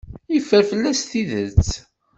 Yeffer fell-as tidet.